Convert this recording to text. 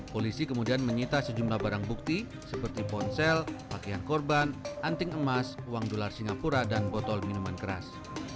polisi kemudian menyita sejumlah barang bukti seperti ponsel pakaian korban anting emas uang dolar singapura dan botol minuman keras